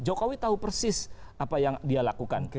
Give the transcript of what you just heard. jokowi tahu persis apa yang dia lakukan